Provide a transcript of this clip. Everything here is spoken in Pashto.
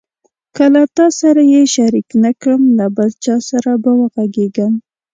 که له تا سره یې شریک نه کړم له بل چا سره به وغږېږم.